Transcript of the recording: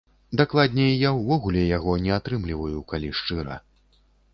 Дакладней, я ўвогуле яго не атрымліваю, калі шчыра.